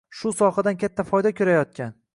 shu sohadan katta foyda ko‘rayotgan